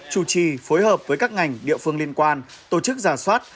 chủ trì phối hợp với các ngành địa phương liên quan tổ chức giả soát